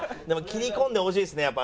でも切り込んでほしいですね